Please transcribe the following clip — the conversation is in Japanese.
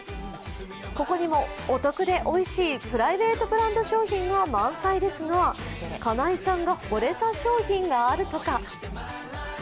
ここにもお得でおいしい、プライベートブランド商品が満載ですが金井さんがほれた商品があるとか。